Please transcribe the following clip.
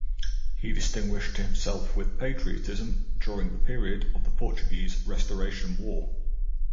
He distinguished himself with patriotism during the period of the Portuguese Restoration War.